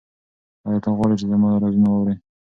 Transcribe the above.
ایا ته غواړې چې زما رازونه واورې؟